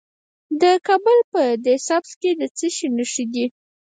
د کابل په ده سبز کې د څه شي نښې دي؟